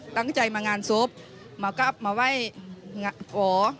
ตั้งใจมางานศพมากลับมาไหว้ขอ